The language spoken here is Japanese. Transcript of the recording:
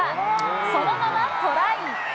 そのままトライ。